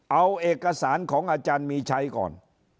เอาเอกสารของอาจารย์มีชัยก่อน